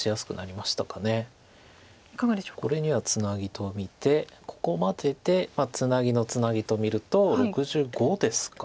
これにはツナギと見てここまででツナギのツナギと見ると６５ですか。